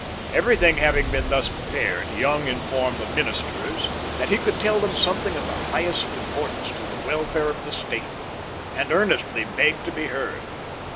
Every thing having been thus prepared, Young informed the ministers that he could tell them something of the highest importance to the welfare of the State, and earnestly begged to be heard.